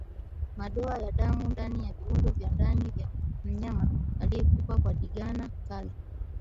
Madoa ya damu ndani ya viungo vya ndani vya mnyama aliyekufa kwa ndigana kali